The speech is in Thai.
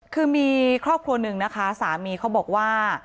คือมีครอบครัวหนึ่งนะคะสามีเขาบอกว่า